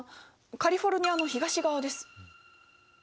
カリフォルニアの東側です。